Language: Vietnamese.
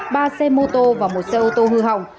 ba xe mô tô và một xe ô tô hư hỏng